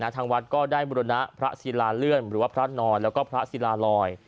ทางวัดก็ได้บุรณะพระศิลาเลื่อนหรือว่าพระนอนแล้วก็พระศิลาลอย